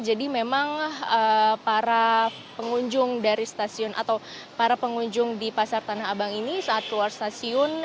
jadi memang para pengunjung dari stasiun atau para pengunjung di pasar tanah abang ini saat keluar stasiun